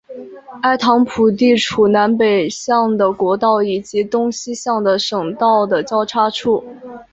埃唐普地处南北向的国道以及东西向的省道的交叉处。